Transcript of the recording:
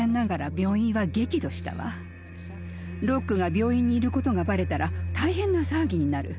ロックが病院にいることがバレたら大変な騒ぎになる。